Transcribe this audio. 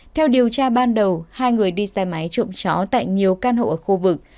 theo điều tra ban đầu hai người đi xe máy trộm chó tại nhiều căn hộ ở khu vực